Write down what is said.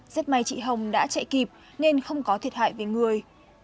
rất may chị hồng đã chạy kịp nên không có thiệt hại về người